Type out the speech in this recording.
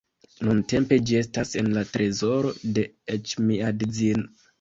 Nuntempe ĝi estas en la trezoro de Eĉmiadzin.